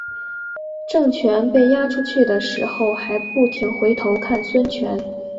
郑泉被押出去的时候还不停回头看孙权。